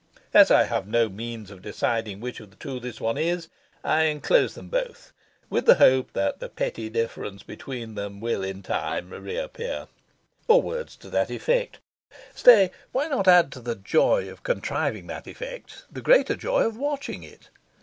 As I have no means of deciding which of the two this one is, I enclose them both, with the hope that the pretty difference between them will in time reappear"... Or words to that effect... Stay! why not add to the joy of contriving that effect the greater joy of watching it?